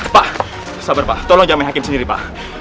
pak sabar pak tolong jangan menghakim sendiri pak